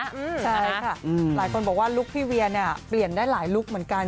ใช่ค่ะหลายคนบอกว่าลุคพี่เวียเนี่ยเปลี่ยนได้หลายลุคเหมือนกัน